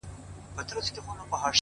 د خاموش کور فضا د ذهن خبرې لوړوي.!